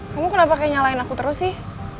kamu kenapa kayak nyalahin aku terus sih